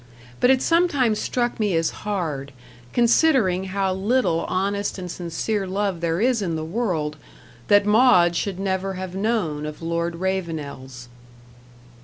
But it sometimes struck me as hard, considering how little honest and sincere love there is in the world, that Maud should never have known of Lord Ravenel's.